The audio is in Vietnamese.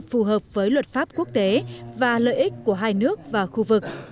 phù hợp với luật pháp quốc tế và lợi ích của hai nước và khu vực